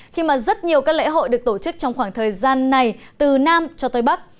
khi mà rất nhiều các lễ hội được tổ chức trong khoảng thời gian này từ nam cho tới bắc